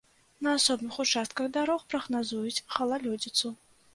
На асобных участках дарог прагназуюць галалёдзіцу.